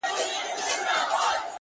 مثبت فکر ذهن روښانه ساتي!.